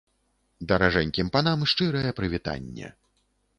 Даражэнькім панам шчырае прывітанне.